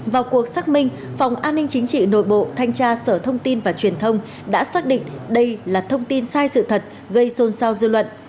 vào cuộc xác minh phòng an ninh chính trị nội bộ thanh tra sở thông tin và truyền thông đã xác định đây là thông tin sai sự thật gây xôn xao dư luận